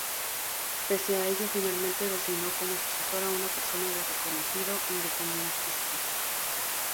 Pese a ello, finalmente designó como sucesor a una persona de reconocido independentismo.